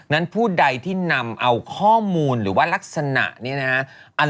นั้นผู้ใดที่นำเอาข้อมูลหรือว่ารักษณะนี้นะฮะ